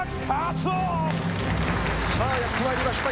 ・さあやってまいりました。